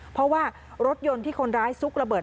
เพราะว่ารถยนต์ที่คนร้ายซุกระเดิ